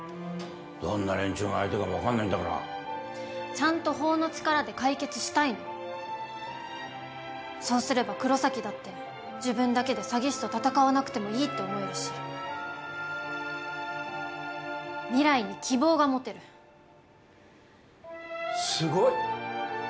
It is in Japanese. どんな連中が相手かも分かんないんだからちゃんと法の力で解決したいのそうすれば黒崎だって自分だけで詐欺師と戦わなくてもいいって思えるし未来に希望が持てるすごい！